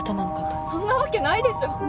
そんなわけないでしょ！